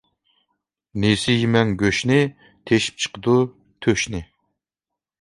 نېسى يېمەڭ گۆشنى، تېشىپ چىقىدۇ تۆشنى.